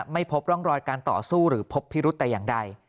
ไม่พบร่องรอยการต่อสู้หรือพบพิรุษแต่อย่างใด